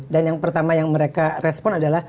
dan yang pertama yang mereka respon adalah